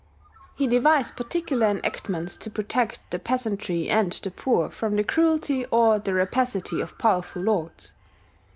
He devised particular enactments to protect the peasantry and the poor from the cruelty or the rapacity of powerful lords.